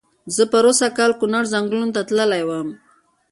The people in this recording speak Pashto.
زه پرو سږ کال کونړ ځنګلونو ته تللی وم.